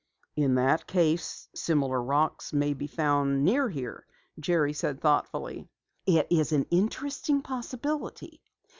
"In that case, similar rocks may be found near here," Jerry said thoughtfully. "It is an interesting possibility.